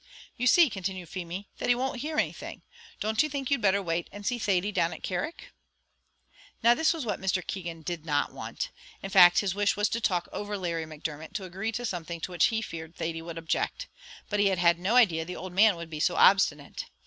"You see," continued Feemy, "that he won't hear anything; don't you think you'd better wait and see Thady down at Carrick?" Now this was what Mr. Keegan did not want; in fact, his wish was to talk over Larry Macdermot to agree to something to which he feared Thady would object; but he had had no idea the old man would be so obstinate.